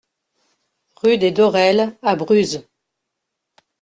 Rue des Dorelles à Bruz